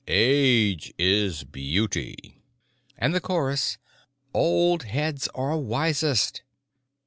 Age is beauty!" And the chorus: "Old heads are wisest!"